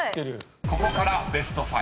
［ここからベスト５。